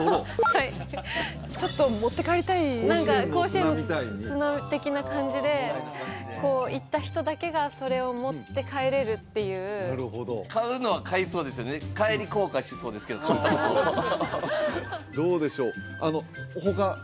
はいちょっと持って帰りたい甲子園の砂みたいに砂的な感じで行った人だけがそれを持って帰れるっていうなるほど買うのは買いそうですよねどうでしょう？